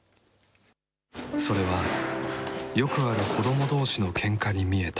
それは、よくある子どもどうしのけんかに見えた。